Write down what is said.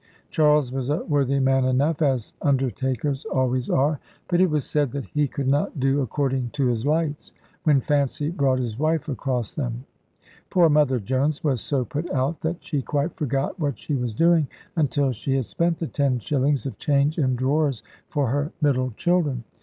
Charles was a worthy man enough (as undertakers always are), but it was said that he could not do according to his lights, when fancy brought his wife across them. Poor Mother Jones was so put out, that she quite forgot what she was doing until she had spent the ten shillings of change in drawers for her middle children.